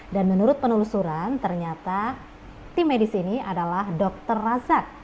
dan menurut penelusuran ternyata tim medis ini adalah dokter razak